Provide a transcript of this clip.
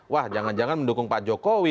wah jangan jangan mendukung pak jokowi